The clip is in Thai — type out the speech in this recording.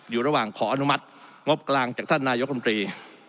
อยู่ระหว่างขออนุมัติงบกลางจากท่านนายกรมตรี